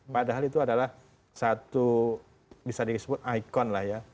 padahal itu adalah satu bisa disebut ikon lah ya